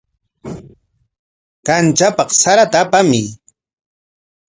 Kamchapaq sarata apamuy.